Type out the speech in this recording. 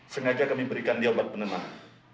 sengaja kami berikan di obat penenang